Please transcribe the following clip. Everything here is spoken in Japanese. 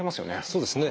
そうですね。